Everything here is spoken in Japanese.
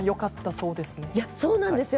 そうなんですよ。